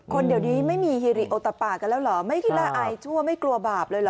เดี๋ยวนี้ไม่มีฮิริโอตะปากกันแล้วเหรอไม่คิดละอายชั่วไม่กลัวบาปเลยเหรอ